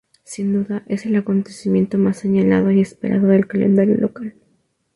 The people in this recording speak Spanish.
Sin duda, es el acontecimiento más señalado y esperado del calendario local.